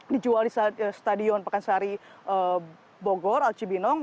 dijual di stadion pakansari bogor alcibinong